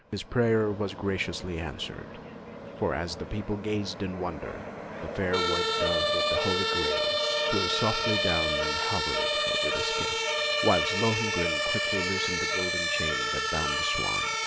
His prayer was graciously answered; for as the people gazed in wonder, the fair white Dove of the Holy Grail flew softly down and hovered over the skiff, whilst Lohengrin quickly loosened the golden chain that bound the swan.